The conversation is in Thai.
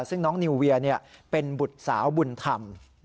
ซึ่งน้องนิวเวียเป็นบุตรสาวบุญธรรม